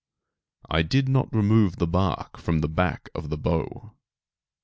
I did not remove the bark from the back of the bow.